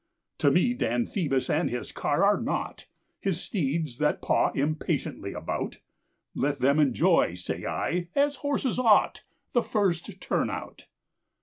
To me Dan Phoebus and his car are nought, His steeds that paw impatiently about, Let them enjoy, say I, as horses ought, The first turn out!